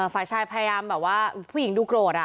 ฝ่ายชายพยายามแบบว่าผู้หญิงดูโกรธ